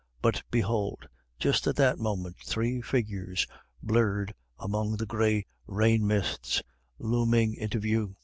But behold, just at that moment three figures, blurred among the gray rain mists, looming into view.